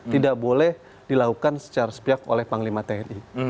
tidak boleh dilakukan secara sepihak oleh panglima tni